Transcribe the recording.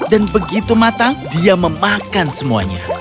dan begitu matang dia memakan semuanya